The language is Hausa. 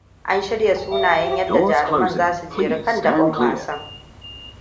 An shirya sunayen yadda jaruman za su jeru kan daɓen wasan.